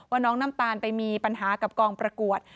น้องน้ำตาลไปมีปัญหากับกองประกวด